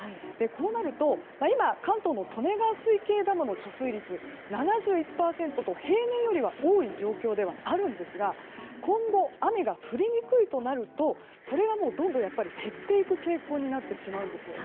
こうなると今関東の利根川水系ダムの貯水率７１％と平年よりは多い状況ではあるんですが今後、雨が降りにくいとなるそれはどんどん減っていく傾向になってしまいます。